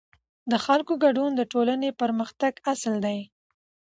د خلکو ګډون د ټولنې پرمختګ اصل دی